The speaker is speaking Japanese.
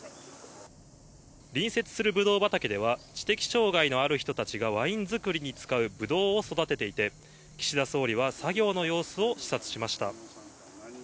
隣接するぶどう畑では、知的障がいのある人たちがワイン造りに使うぶどうを育てていて、岸田総理は作業の様子を視察しました。